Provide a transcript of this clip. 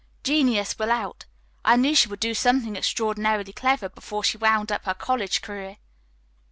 Genius will out. I knew she would do something extraordinarily clever before she wound up her college career."